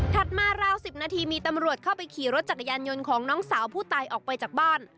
มาราว๑๐นาทีมีตำรวจเข้าไปขี่รถจักรยานยนต์ของน้องสาวผู้ตายออกไปจากบ้าน